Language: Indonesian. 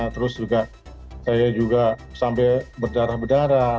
terus juga saya juga sampai berdarah berdarah